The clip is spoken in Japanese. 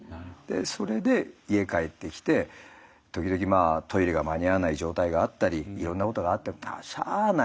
それで家帰ってきて時々トイレが間に合わない状態があったりいろんなことがあってもしゃあないな。